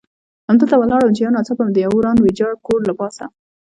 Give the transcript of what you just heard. همدلته ولاړ وم، چې یو ناڅاپه مې د یوه وران ویجاړ کور له پاسه.